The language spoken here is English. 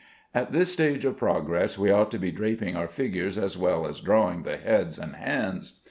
At this stage of progress we ought to be draping our figures as well as drawing the heads and hands.